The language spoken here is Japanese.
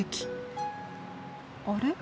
あれ？